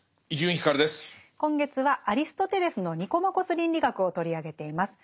今月はアリストテレスの「ニコマコス倫理学」を取り上げています。